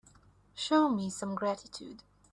Show me some gratitude.